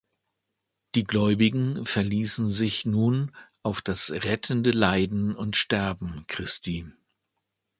Die Gläubigen verließen sich nun auf das rettende Leiden und Sterben Christi.